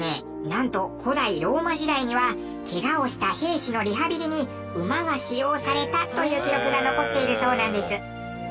なんと、古代ローマ時代にはケガをした兵士のリハビリに馬が使用されたという記録が残っているそうなんです。